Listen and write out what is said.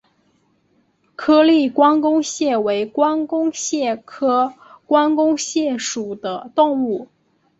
颗粒关公蟹为关公蟹科关公蟹属的动物。